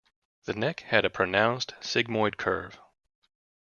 The neck had a pronounced sigmoid curve.